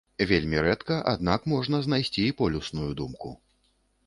Вельмі рэдка, аднак можна знайсці і полюсную думку.